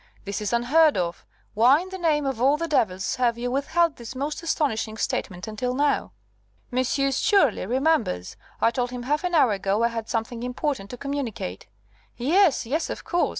"This is unheard of. Why in the name of all the devils have you withheld this most astonishing statement until now?" "Monsieur surely remembers. I told him half an hour ago I had something important to communicate " "Yes, yes, of course.